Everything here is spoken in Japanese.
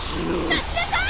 ・待ちなさい！